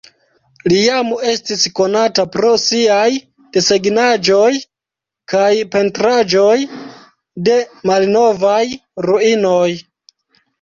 Li jam estis konata pro siaj desegnaĵoj kaj pentraĵoj de malnovaj ruinoj.